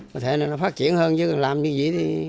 có thể nó phát triển hơn chứ làm như vậy